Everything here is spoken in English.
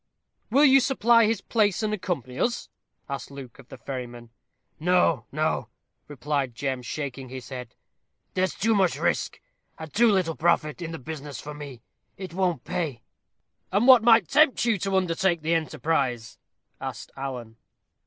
"Will you supply his place and accompany us?" asked Luke of the ferryman. "No, no," replied Jem, shaking his head; "there's too much risk, and too little profit, in the business for me it won't pay." "And what might tempt you to undertake the enterprise?" asked Alan.